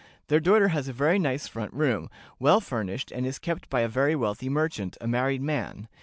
Their daughter has a very nice front room, well furnished, and is kept by a very wealthy merchant, a married man.